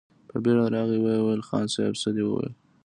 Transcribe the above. په بېړه راغی، ويې ويل: خان صيب! څه دې ويل؟